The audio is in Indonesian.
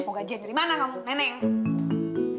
mau gajian dari mana kamu neneng